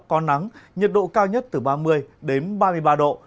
có nắng nhiệt độ cao nhất từ ba mươi đến ba mươi ba độ